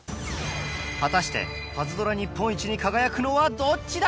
果たして『パズドラ』日本一に輝くのはどっちだ？